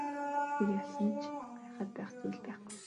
Тэр ялсан ч гайхаад байх зүйл байхгүй.